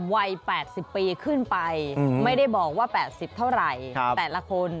วัย๘๐ปีขึ้นไปไม่ได้บอกว่า๘๐เท่าไหร่แต่ละคน